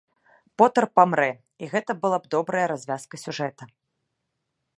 Потэр памрэ, і гэта была б добрая развязка сюжэта.